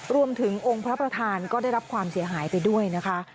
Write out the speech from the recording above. รวมถึงองค์พระประธานก็ได้รับความเสียหายไปด้วยนะคะ